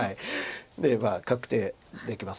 で確定できます